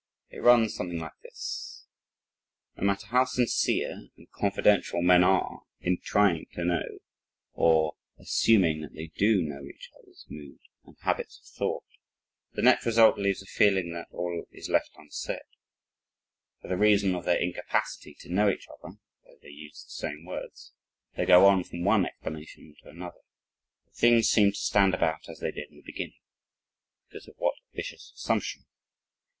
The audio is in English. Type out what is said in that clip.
It runs something like this: No matter how sincere and confidential men are in trying to know or assuming that they do know each other's mood and habits of thought, the net result leaves a feeling that all is left unsaid; for the reason of their incapacity to know each other, though they use the same words. They go on from one explanation to another but things seem to stand about as they did in the beginning "because of that vicious assumption."